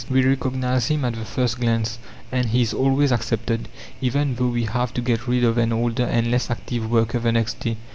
We recognize him at the first glance, and he is always accepted, even though we have to get rid of an older and less active worker the next day."